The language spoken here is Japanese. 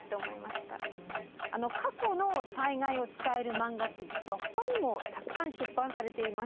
過去の災害を伝えるマンガって実はほかにもたくさん出版されています。